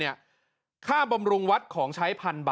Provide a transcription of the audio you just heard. มีอะไรบ้างละเนี่ย